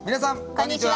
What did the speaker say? こんにちは。